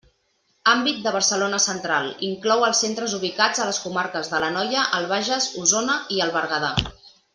Àmbit de Barcelona Central: inclou els centres ubicats a les comarques de l'Anoia, el Bages, Osona i el Berguedà.